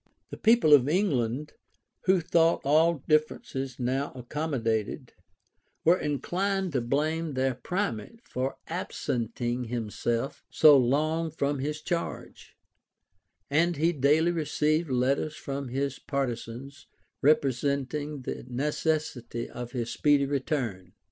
471] The people of England, who thought all differences now accommodated, were inclined to blame their primate for absenting, himself so long from his charge; and he daily received letters from his partisans representing the necessity of his speedy return.